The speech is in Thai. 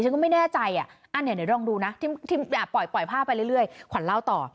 ฉันก็ไม่แน่ใจอ่ะอันเนี่ยนายลองดูนะที่มอบปล่อยภาพไปเรื่อยขวัญเล่าต่อ